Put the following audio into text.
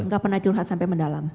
gak pernah curhat sampai mendalam